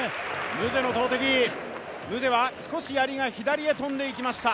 ムゼは少しやりが左に飛んでいきました。